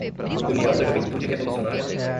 União da juventude revolucionária